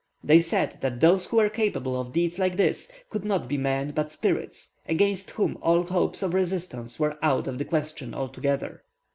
They said that those who were capable of deeds like this, could not be men but spirits, against whom all hopes of resistance were out of the question altogether.